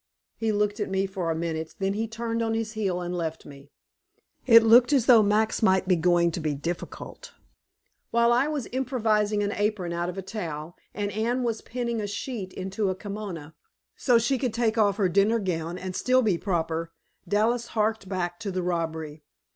He looked at me for a minute, then he turned on his heel and left me. It looked as though Max might be going to be difficult. While I was improvising an apron out of a towel, and Anne was pinning a sheet into a kimono, so she could take off her dinner gown and still be proper, Dallas harked back to the robbery.